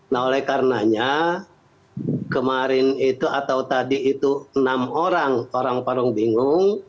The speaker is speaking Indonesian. nah oleh karenanya kemarin itu atau tadi itu enam orang orang parung bingung